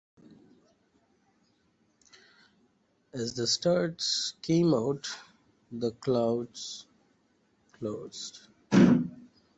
As the stars came out the clouds closed.